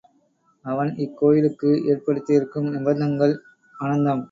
அவன் இக் கோயிலுக்கு ஏற்படுத்தியிருக்கும் நிபந்தங்கள் அனந்தம்.